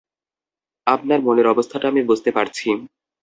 আপনার মনের অবস্থাটা আমি বুঝতে পারছি।